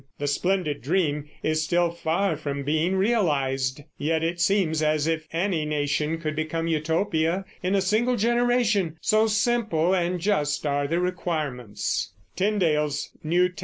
The splendid dream is still far from being realized; yet it seems as if any nation could become Utopia in a single generation, so simple and just are the requirements.